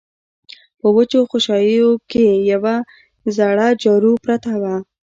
په وچو خوشايو کې يوه زړه جارو پرته وه.